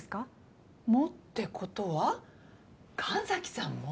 もってことは神崎さんも？